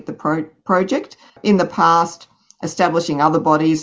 sebelumnya membangun kondisi lain seperti kkas